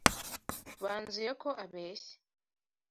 Banzuye ko abeshya.